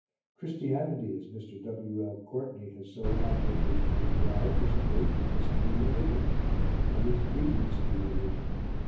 Christianity, as Mr. W.L. Courtney has so admirably pointed out, is a great Mystery Religion; it is the Mystery Religion.